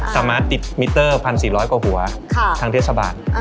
สามารถติดมิเตอร์๑๔๐๐กว่าหัวทางเทศบาล